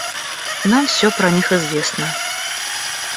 Нам всё про них известно.